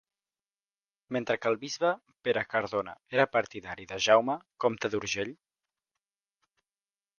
Mentre que el bisbe, Pere Cardona, era partidari de Jaume, comte d'Urgell.